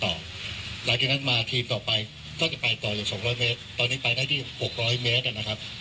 หลังจากนั้นมาทีมต่อไปก็จะไปต่ออยู่สองร้อยเมตรตอนนี้ไปได้ที่หกร้อยเมตรอ่ะนะครับ